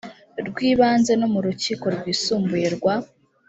rw ibanze no mu rukiko rwisumbuye rwa